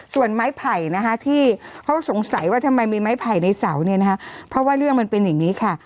ส่วนไม้ไผ่นะคะที่เขาสงสัยว่าทำไมมีไม้ไผ่ในเสาเนี่ยนะคะเพราะว่าเรื่องมันเป็นอย่างนี้ค่ะ